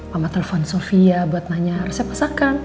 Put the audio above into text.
mama telepon sofia buat nanya resep masakan